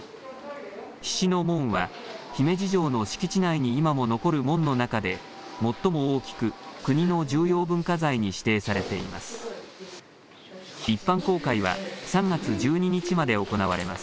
菱の門は姫路城の敷地内に今も残る門の中で最も大きく国の重要文化財に指定されています。